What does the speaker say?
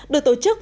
được tổ chức